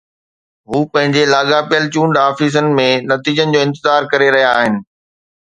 هو پنهنجي لاڳاپيل چونڊ آفيسن ۾ نتيجن جو انتظار ڪري رهيا آهن